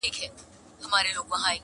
کنه دی په پنیر کله اموخته وو،